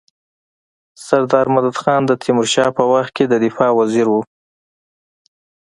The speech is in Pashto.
سردار مددخان د تيمورشاه په وخت کي د دفاع وزیر وو.